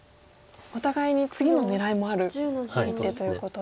お互いに次の狙いもある一手ということで。